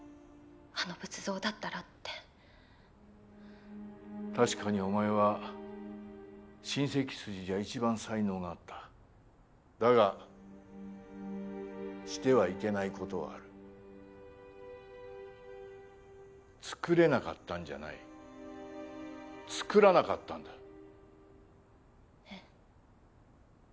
あの仏像だったらって確かにお前は親戚筋じゃ一番才能があっただがしてはいけないことはある作れなかったんじゃない作らなかったんだえっ